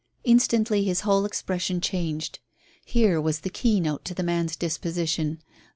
Instantly his whole expression changed. Here was the keynote to the man's disposition.